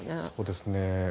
そうですね